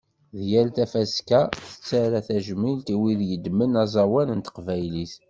Deg yal tafaska, tettara tajmilt i win yeddmen aẓawan n teqbaylit.